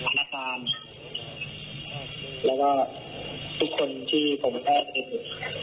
และว่าทุกคนที่ผมแทบดู